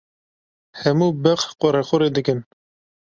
Hemû beq qurequrê dikin.